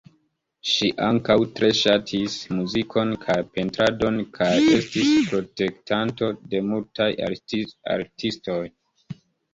Ŝi ankaŭ tre ŝatis muzikon kaj pentradon kaj estis protektanto de multaj artistoj.